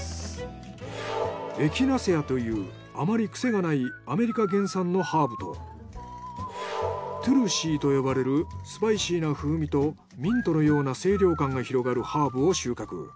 エキナセアというあまり癖がないアメリカ原産のハーブとトゥルシーと呼ばれるスパイシーな風味とミントのような清涼感が広がるハーブを収穫。